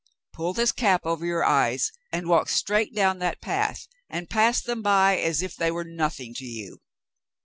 Pull this cap over your eyes, and walk straight down that path, and pass them by as if they were nothing to you.